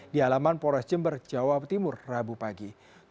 di alaman pores jember jawa timur rabu pagi